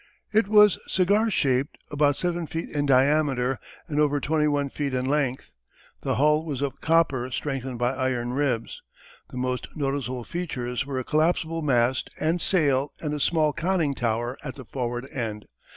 It was cigar shaped, about seven feet in diameter and over twenty one feet in length. The hull was of copper strengthened by iron ribs. The most noticeable features were a collapsible mast and sail and a small conning tower at the forward end.